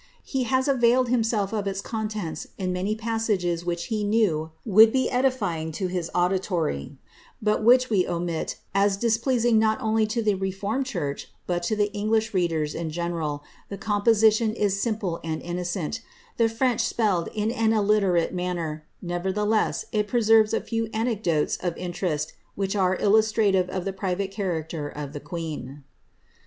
He has availed himself of its contents in many passages which he Is new would be edifying to his auditory, but which we omit, as displeas ing not only to the reformed church, but to English readers in general , the composition is simple and innocent — the French spelled in an tiVvV^ * Inedited paper in the Hotel Soubise, marked in pencil, K \^5\. 196 HENRIETTA MARIA. rate manner; nevertheless, it preserves a few anecdotes ofinterett which are illustrative of the private character of the queen.